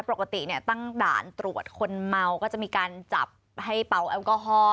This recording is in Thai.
ปกติเนี่ยตั้งด่านตรวจคนเมาก็จะมีการจับให้เป่าแอลกอฮอล์